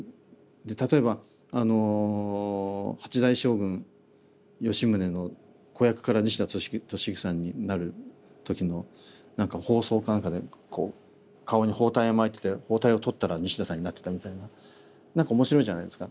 例えばあの「八代将軍吉宗」の子役から西田敏行さんになる時の何か疱瘡か何かでこう顔に包帯を巻いてて包帯を取ったら西田さんになってたみたいな何か面白いじゃないですか。